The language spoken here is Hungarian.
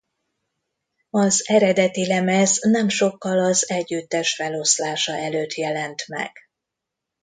Az eredeti lemez nem sokkal az együttes feloszlása előtt jelent meg.